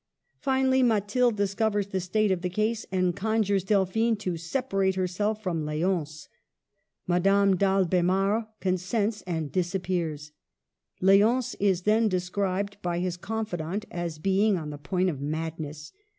Finally Mathilde discovers the state of the case and conjures Delphine to separate herself from L6once. Madame d' Albdmar consents, and disappears. L6once is then described by his confidant as being on the point of madness.